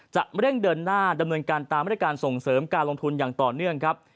จะเร่งเดินหน้าดำเนินการตามมาตรการส่งเสริมการลงทุนอย่างต่อเนื่องครับ